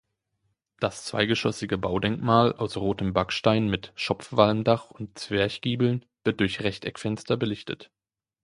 Das zweigeschossige Baudenkmal aus rotem Backstein mit Schopfwalmdach und Zwerchgiebeln wird durch Rechteckfenster belichtet.